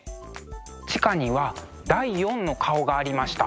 地下には第４の顔がありました。